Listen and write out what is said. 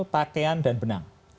pakaian dan benang